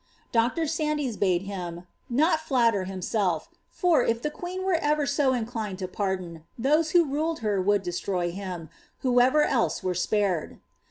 '' Dr. Sandys bade him, '' not flatter himself, for, if the queen were ever so inclined to pardon, those who ruled her would destroy him, whoever else werr spared."